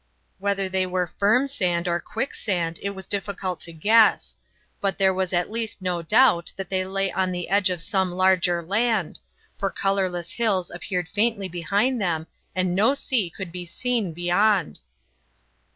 Whether they were firm sand or quicksand it was difficult to guess; but there was at least no doubt that they lay on the edge of some larger land; for colourless hills appeared faintly behind them and no sea could be seen beyond.